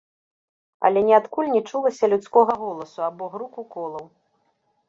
Але ніадкуль не чулася людскога голасу або груку колаў.